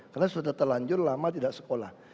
karena sudah terlanjur lama tidak sekolah